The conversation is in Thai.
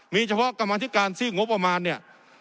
มีเฉพาะกรรมธิการซีกงบประมาณเนี่ย